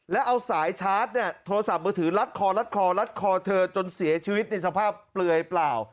แล้วเอาสายชาร์จเนี่ยโทรศัพท์มือถือลัดคอรัดคอลัดคอเธอจนเสียชีวิตในสภาพเปลือยเปล่า